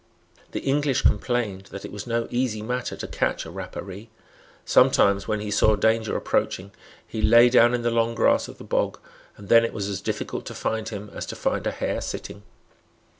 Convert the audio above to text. The English complained that it was no easy matter to catch a Rapparee. Sometimes, when he saw danger approaching, he lay down in the long grass of the bog; and then it was as difficult to find him as to find a hare sitting.